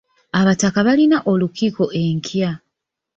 Abataka balina olukiiko enkya.